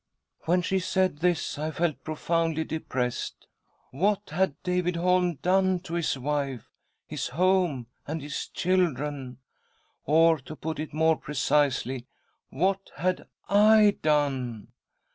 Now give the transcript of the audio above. " When she said this, I felt profoundly depressed. What had David Holm done to his wife, his home, and his children — or, to put it more precisely, what had I done